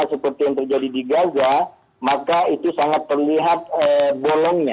seperti yang terjadi di gaza maka itu sangat terlihat bolongnya